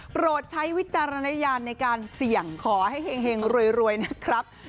โปรดใช้วิจารณญาณในการเสี่ยงขอให้เห็งรวยนะครับ